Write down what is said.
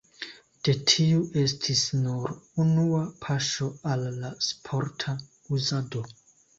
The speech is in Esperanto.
De tiu estis nur unua paŝo al la sporta uzado.